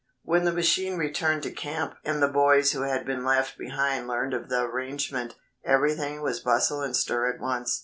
When the machine returned to camp and the boys who had been left behind learned of the arrangement, everything was bustle and stir at once.